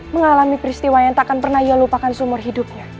mengalami peristiwa yang takkan pernah ia lupakan seumur hidupnya